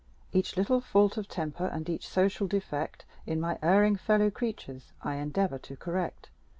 Each little fault of temper and each social defect In my erring fellow creatures, I endeavor to correct.